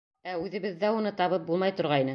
Ә үҙебеҙҙә уны табып булмай торғайны.